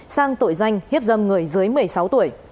sang tội danh hiếp dâm người dưới một mươi sáu tuổi